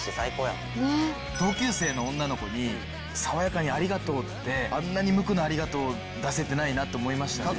同級生の女の子に爽やかに「ありがとう」ってあんなに無垢な「ありがとう」を出せてないなと思いましたね。